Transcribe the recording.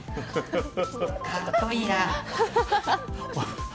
かっこいいな。